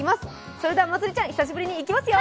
それではまつりちゃん、久しぶりにいきますよ。